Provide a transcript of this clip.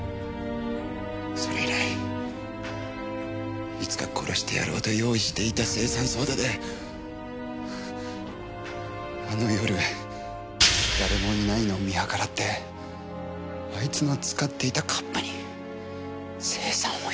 それ以来いつか殺してやろうと用意していた青酸ソーダであの夜誰もいないのを見計らってあいつの使っていたカップに青酸を入れてやったんだ。